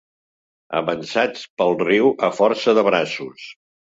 Avançats pel riu a força de braços.